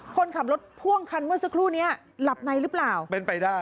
คนขับรถพ่วงคันเมื่อสักครู่นี้หลับในหรือเปล่า